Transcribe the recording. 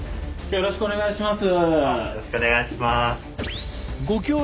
よろしくお願いします。